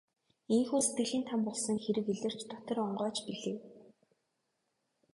Ийнхүү сэтгэлийн там болсон хэрэг илэрч дотор онгойж билээ.